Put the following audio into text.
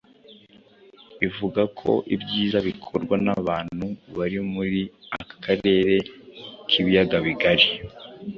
ivuga ko ibyiza bikorwa n'abantu bari muri aka karere k'ibiyaga bigari